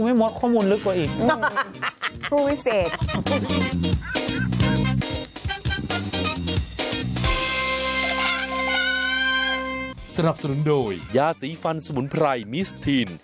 มดข้อมูลลึกกว่าอีก